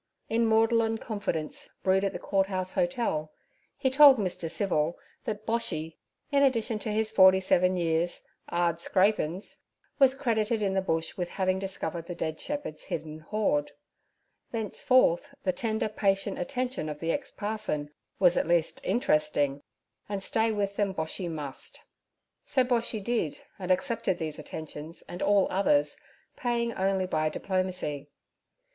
In maudlin confidence brewed at the Court House Hotel, he told Mr. Civil that Boshy, in addition to his forty seven years' "ard scrapin's' was credited in the Bush with having discovered the dead shepherd's hidden hoard. Thenceforth the tender, patient attention of the ex parson was at least interesting, and stay with them Boshy must; so Boshy did, and accepted these attentions and all others, paying only by diplomacy.